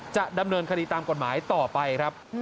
จะดำเนินคดีตามกฎหมายต่อไปครับ